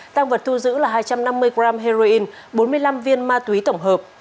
tăng vật thu giữ là hai trăm năm mươi g heroin bốn mươi năm viên ma túy tổng hợp